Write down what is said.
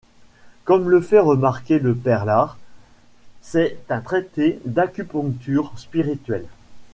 Comme le fait remarquer le père Larre, c'est un traité d'acupuncture spirituelle.